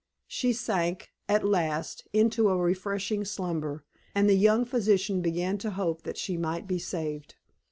She sank, at last, into a refreshing slumber, and the young physician began to hope that she might be saved.